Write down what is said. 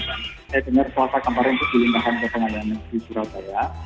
saya dengar kata kata kemarin itu diindahkan ke pengadilan nabi jurabaya